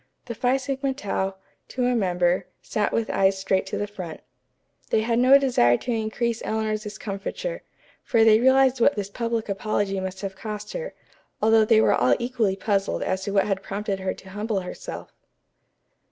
The Phi Sigma Tau, to a member, sat with eyes straight to the front. They had no desire to increase Eleanor's discomfiture, for they realized what this public apology must have cost her, although they were all equally puzzled as to what had prompted her to humble herself.